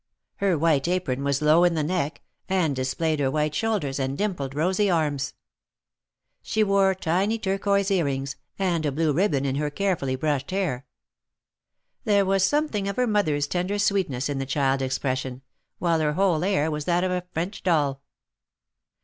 Her white apron was low in the neck, and displayed her white shoul ders and dimpled, rosy arms. She wore tiny turquoise ear rings, and a blue ribbon in her carefully brushed hair. There was something of her mother's tender sweetness in the child's expression, while her whole air was that of a French doll.